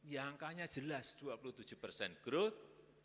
yang angkanya jelas dua puluh tujuh persen growth